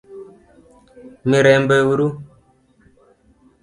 Mirembe uru?